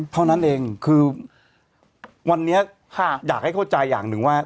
เท่านั้นเองคือวันนี้อยากให้เข้าใจอย่างหนึ่งว่า